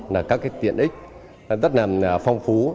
là các tiện ích rất là phong phú